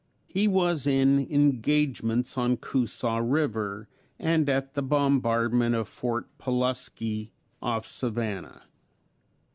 He was in engagements on Coosaw river, and at the bombardment of Fort Paluski off Savannah.